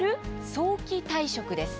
早期退職」です。